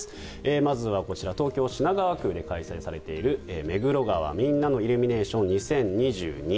まずはこちら東京・品川区で開催されている目黒川みんなのイルミネーション２０２２。